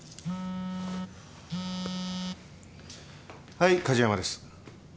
はい梶山です。